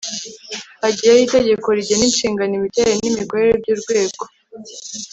hagiyeho itegeko rigena inshingano, imiterere n'imikorere by'urwego